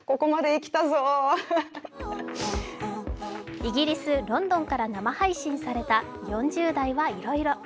イギリス・ロンドンから生配信された「４０代はいろいろ」。